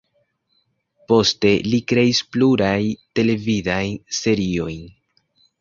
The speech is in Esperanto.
Poste li kreis pluraj televidajn seriojn.